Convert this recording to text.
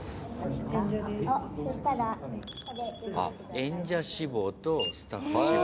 演者志望とスタッフ志望。